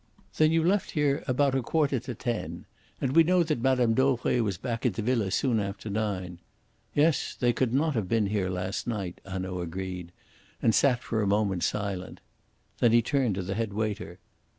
"Then you left here about a quarter to ten. And we know that Mme. Dauvray was back at the villa soon after nine. Yes they could not have been here last night," Hanaud agreed, and sat for a moment silent. Then he turned to the head waiter.